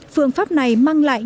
phương pháp này mang lại